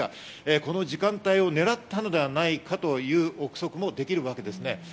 この時間帯を狙ったのではないかという憶測もできるわけです。